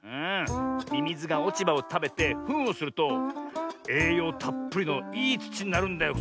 ミミズがおちばをたべてフンをするとえいようたっぷりのいいつちになるんだよ